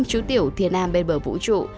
năm chú tiểu thiên nam bên bờ vũ trụ